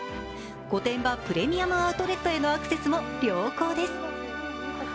御殿場プレミアム・アウトレットへのアクセスも良好です。